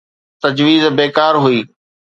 تجويز بيڪار هئي.